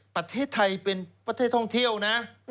ประเทศไทยเป็นประเทศท่องเที่ยวนะ